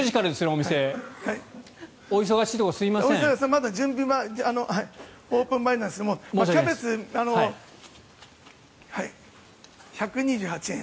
お店まだオープン前なんですがキャベツ、１２８円。